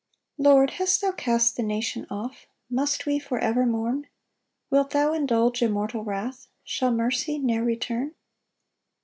1 Lord, hast thou cast the nation off? Must we for ever mourn? Wilt thou indulge immortal wrath? Shall mercy ne'er return?